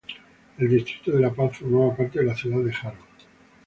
El distrito de La Paz formaba parte de la ciudad de Jaro.